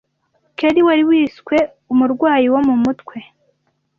Kerri wari wiswe umurwayi wo mu mutwe,